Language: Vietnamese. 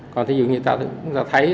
còn thí dụ như ta thấy